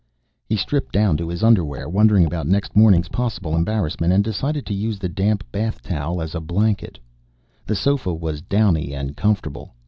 He stripped down to his underwear, wondering about next morning's possible embarrassment, and decided to use the damp bath towel as a blanket. The sofa was downy and comfortable.